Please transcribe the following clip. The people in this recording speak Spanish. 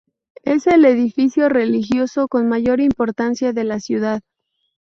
Es el edificio religioso con mayor importancia de la ciudad.